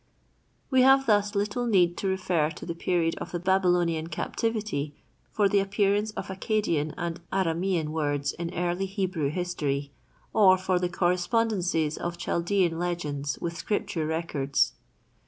We have thus little need to refer to the period of the Babylonian captivity for the appearance of Accadian and Aramean words in early Hebrew history, or for the correspondences of Chaldean legends with scripture records.